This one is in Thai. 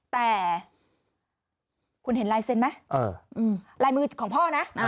แต่คุณเห็นลายเซ็นต์ไหมลายมือของพ่อนะ